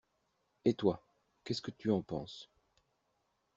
Eh, toi, qu’est-ce que tu en penses?